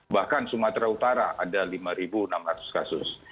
bahkan sumatera utara ada lima enam ratus kasus